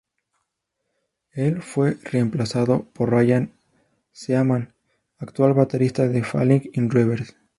Él fue reemplazado por Ryan Seaman, actual baterista de Falling in Reverse.